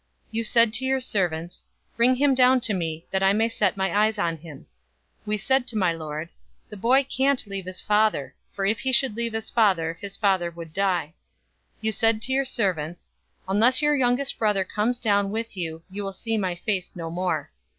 044:021 You said to your servants, 'Bring him down to me, that I may set my eyes on him.' 044:022 We said to my lord, 'The boy can't leave his father: for if he should leave his father, his father would die.' 044:023 You said to your servants, 'Unless your youngest brother comes down with you, you will see my face no more.'